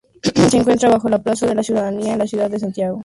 Se encuentra bajo la plaza de la Ciudadanía en la ciudad de Santiago, Chile.